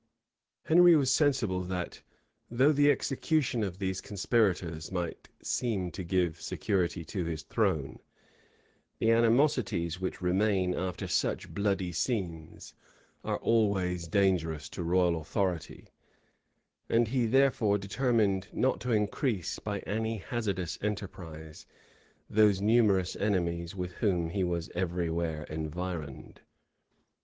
* Walsing. p. 363. Ypod. Neust. p. 556. Dugdale, vol. ii. p. 171. {1401.} Henry was sensible that, though the execution of these conspirators might seem to give security to his throne, the animosities which remain after such bloody scenes, are always dangerous to royal authority; and he therefore determined not to increase, by any hazardous enterprise, those numerous enemies with whom he was every where environed.